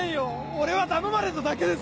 俺は頼まれただけです！